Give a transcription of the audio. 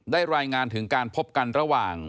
รายงานถึงการพบกันระหว่าง